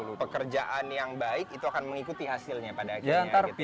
karena pekerjaan yang baik itu akan mengikuti hasilnya pada akhirnya